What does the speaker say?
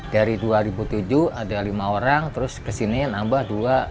dari dua ribu tujuh ada lima orang terus ke sini nambah dua tiga empat lima enam